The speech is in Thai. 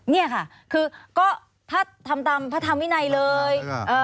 นี่ค่ะคือก็พระธรรมวินัยเลย